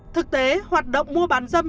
thực tế hoạt động mua bán dâm